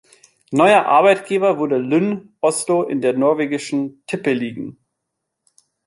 Neuer Arbeitgeber wurde Lyn Oslo in der norwegischen Tippeligaen.